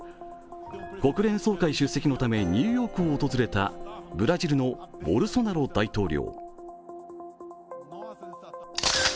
国連総会出席のためニューヨークを訪れたブラジルのボルソナロル大統領。